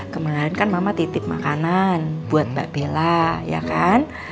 kemudian kan mama titip makanan buat mbak bella ya kan